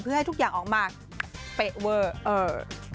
เพื่อให้ทุกอย่างออกมาเป๊ะเวอร์เออ